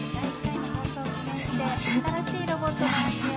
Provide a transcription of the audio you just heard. すいません上原さん。